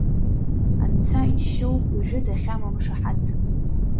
Анцәа иџьшьоуп уажәа дахьамам шаҳаҭ!